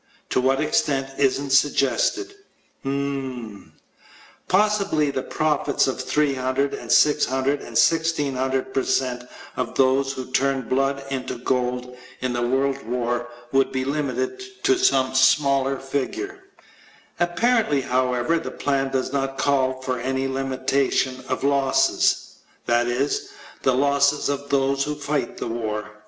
To what extent isn't suggested. Hmmm. Possibly the profits of 300 and 600 and 1,600 per cent of those who turned blood into gold in the World War would be limited to some smaller figure. Apparently, however, the plan does not call for any limitation of losses that is, the losses of those who fight the war.